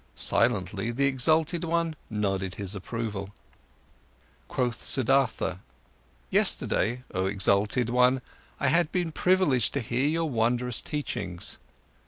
Silently the exalted one nodded his approval. Quoth Siddhartha: "Yesterday, oh exalted one, I had been privileged to hear your wondrous teachings.